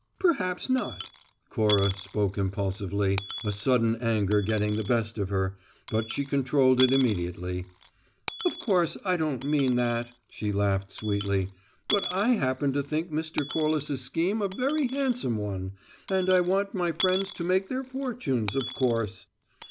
"Perhaps not!" Cora spoke impulsively, a sudden anger getting the better of her, but she controlled it immediately. "Of course I don't mean that," she laughed, sweetly. "But I happen to think Mr. Corliss's scheme a very handsome one, and I want my friends to make their fortunes, of course.